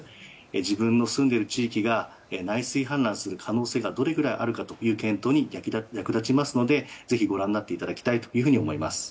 自分の住んでいる地域が内水氾濫する可能性がどれくらいあるかという検討に役立ちますのでぜひ、ご覧になっていただきたいと思います。